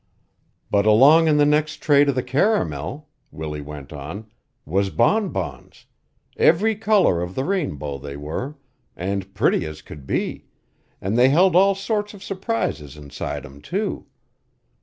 "But along in the next tray to the caramel," Willie went on, "was bonbons every color of the rainbow they were, an' pretty as could be; an' they held all sorts of surprises inside 'em, too.